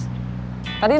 tidak saya mau berhenti